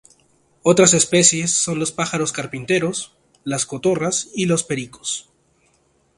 Otras especies son los pájaros carpinteros, las cotorras y los pericos.